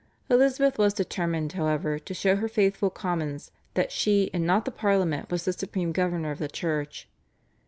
Elizabeth was determined, however, to show her faithful Commons that she and not the Parliament was the supreme governor of the Church.